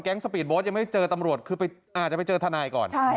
สปีดโบ๊ทยังไม่เจอตำรวจคืออาจจะไปเจอทนายก่อน